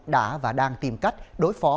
đã và đang tìm cách đối phó